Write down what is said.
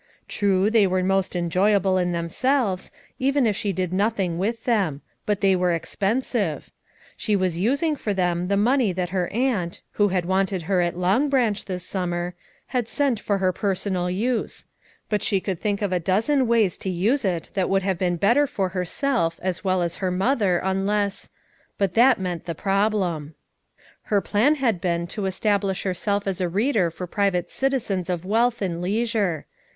True, they were most enjoyable in themselves, even if she did noth ing with them ; but they were expensive. She was using for them the money that her aunt, who had wanted her at Long Branch this sum mer, had sent for her personal use; but she could think of a dozen ways to use it that would have been better for herself as well as her mother unless— but that meant the prob lem, Her plan had been to establish herself as a reader for private citizens of wealth and leisure.